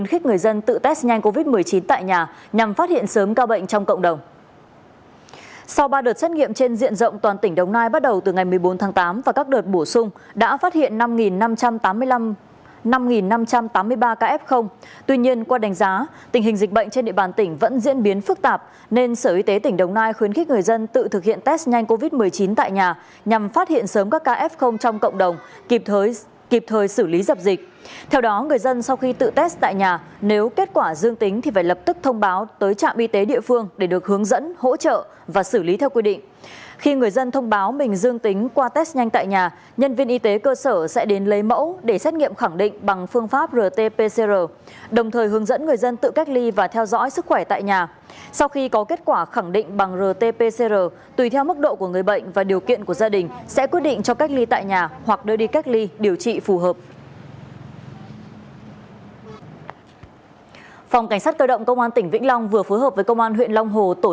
phòng cảnh sát cơ động công an tỉnh vĩnh long vừa phối hợp với công an huyện long hồ tổ chức trao tặng một số trang thiết bị y tế cho lực lượng làm nhiệm vụ tuyến đầu phòng chống dịch covid một mươi chín trên địa bàn huyện